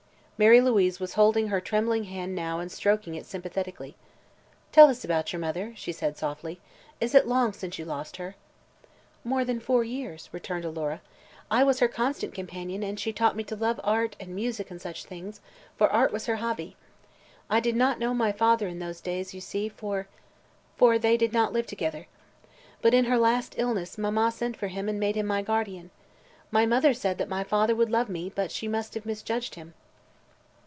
Mary Louise was holding her trembling hand now and stroking it sympathetically. "Tell us about your mother," she said softly. "Is it long since you lost her?" "More than four years," returned Alora. "I was her constant companion and she taught me to love art and music and such things, for art was her hobby. I did not know my father in those days, you see, for for they did not live together. But in her last illness mamma sent for him and made him my guardian. My mother said that my father would love me, but she must have misjudged him."